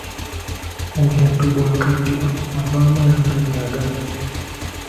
Omuntu bw'akaddiwa avaamu n'amannyo agamu.